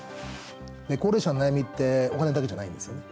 高齢者の悩みって、お金だけじゃないんですね。